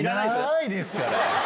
ないですから。